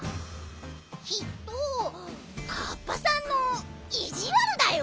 きっとかっぱさんのいじわるだよ。